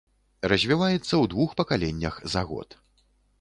Развіваецца ў двух пакаленнях за год.